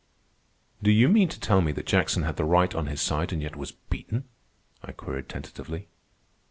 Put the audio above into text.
"Do you mean to tell me that Jackson had the right on his side and yet was beaten?" I queried tentatively.